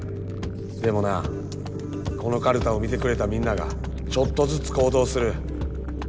でもなこのカルタを見てくれたみんながちょっとずつ行動する。